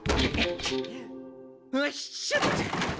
よいしょっと。